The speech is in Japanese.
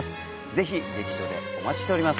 ぜひ劇場でお待ちしております